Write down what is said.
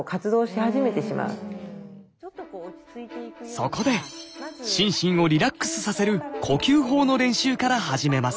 そこで心身をリラックスさせる呼吸法の練習から始めます。